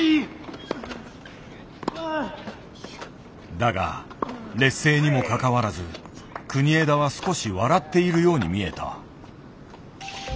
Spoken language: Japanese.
だが劣勢にもかかわらず国枝は少し笑っているように見えた。